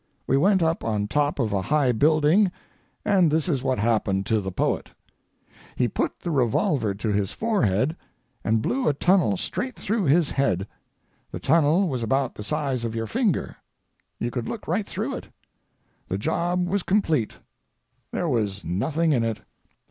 We went up on top of a high building, and this is what happened to the poet: He put the revolver to his forehead and blew a tunnel straight through his head. The tunnel was about the size of your finger. You could look right through it. The job was complete; there was nothing in it.